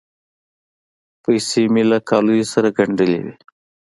پیسې مې له کالیو سره ګنډلې وې.